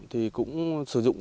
thì cũng sử dụng